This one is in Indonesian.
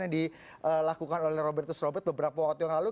yang dilakukan oleh robertus robert beberapa waktu yang lalu